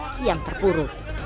ketua dpr yang terpuruk